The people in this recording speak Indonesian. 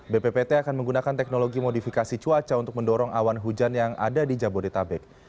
bppt akan menggunakan teknologi modifikasi cuaca untuk mendorong awan hujan yang ada di jabodetabek